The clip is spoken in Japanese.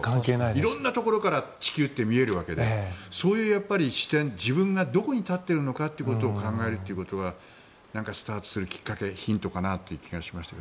色んなところから地球って見えるわけでそういう視点自分がどこに立っているかということを考えることはスタートするきっかけヒントかなという気がしました。